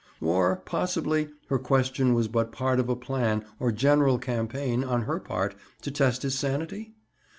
Or, possibly, her question was but part of a plan, or general campaign, on her part, to test his sanity?